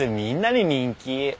みんなに人気。